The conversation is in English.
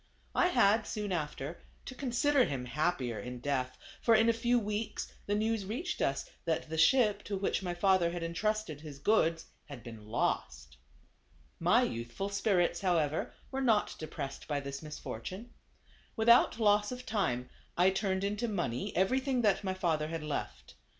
I had, soon after, to consider him happier in death; for in a few weeks the news reached us that the ship, to which my father had entrusted his goods, had been lost. My youthful spirits, however, were not de pressed by this misfortune. Without loss of time I turned into money everything that my THE CAB AVAN. iOS father had left.